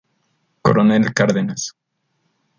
Coronel Cárdenas.